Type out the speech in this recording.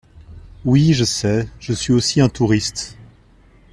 Oui je sais, je suis aussi un touriste.